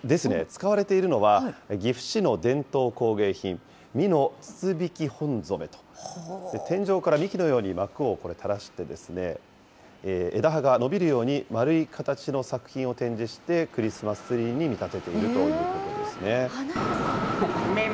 使われているのは、岐阜市の伝統工芸品、美濃筒引き本染めと、天井から幹のように幕をこれ、垂らして、枝葉が伸びるように丸い形の作品を展示して、クリスマスツリーに華やか。